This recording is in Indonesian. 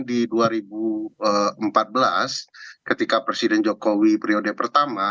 di dua ribu empat belas ketika presiden jokowi periode pertama